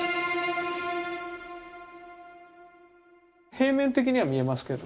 平面的には見えますけど。